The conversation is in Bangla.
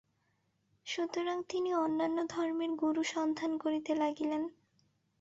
সুতরাং তিনি অন্যান্য ধর্মের গুরু সন্ধান করিতে লাগিলেন।